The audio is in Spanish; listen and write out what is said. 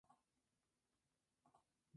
Luego vino la reacción.